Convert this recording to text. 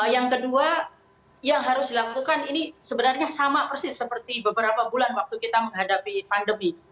yang kedua yang harus dilakukan ini sebenarnya sama persis seperti beberapa bulan waktu kita menghadapi pandemi